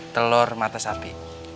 telur matas api